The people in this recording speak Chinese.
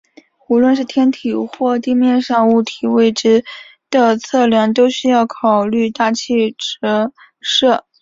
无论是天体或地面上物体位置的测量都需要考虑大气折射。